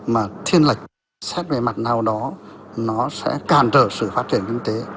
mà thiên lệch xét về mặt nào đó nó sẽ càn trở sự phát triển kinh tế